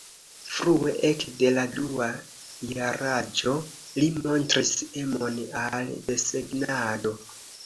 Frue, ekde la dua jaraĝo li montris emon al desegnado.